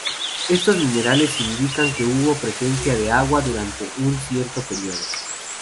Estos minerales indican que hubo presencia de agua durante un cierto período.